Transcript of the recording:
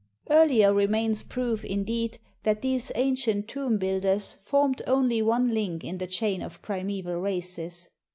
Earlier remains prove, indeed, that these ancient tomb builders formed only one link in a chain of primeval races.